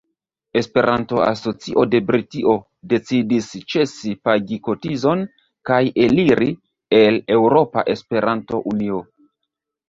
Esperanto-Asocio de Britio decidis ĉesi pagi kotizon kaj eliri el Eŭropa Esperanto-Unio.